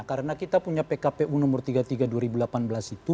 karena kita punya pkpu nomor tiga puluh tiga dua ribu delapan belas itu